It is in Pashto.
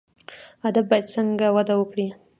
ادب باید څنګه وده وکړي؟